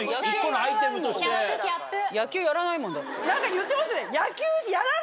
言ってますよね。